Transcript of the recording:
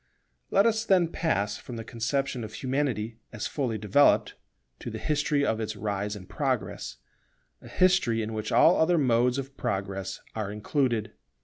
Let us then pass from the conception of Humanity as fully developed, to the history of its rise and progress; a history in which all other modes of progress are included.